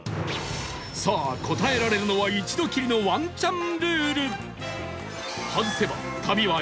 さあ答えられるのは一度きりのワンチャンルール